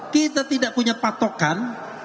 kita tidak punya patokan